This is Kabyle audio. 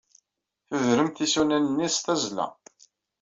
Tudremt isunan-nni s tazzla.